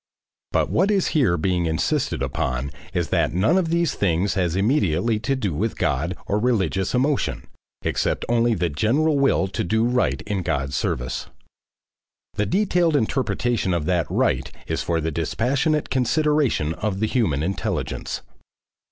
But what is here being insisted upon is that none of these things has immediately to do with God or religious emotion, except only the general will to do right in God's service. The detailed interpretation of that "right" is for the dispassionate consideration of the human intelligence.